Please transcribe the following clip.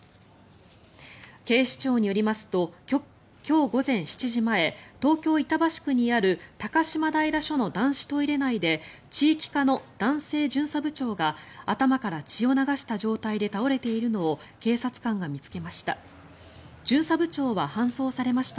警視庁によりますと今日午前７時前東京・板橋区にある高島平署の男子トイレ内で地域課の男性巡査部長が頭から血を流した状態で倒れているのを警察官が見つけました。